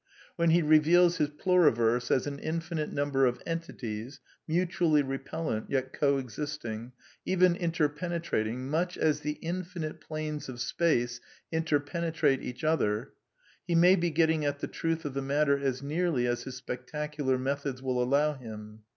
When he reveals his pluriverse as an infinite number of entities, mutually repellent, yet co existing, even inter penetrating, much as the infinite planes of space inter penetrate each other, he may be getting at the truth of the matter as nearly as his spectacular methods will allow him.